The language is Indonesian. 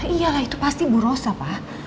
iya lah itu pasti bu rosa pak